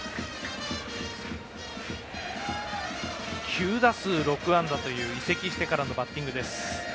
９打数６安打という移籍してからのバッティングです。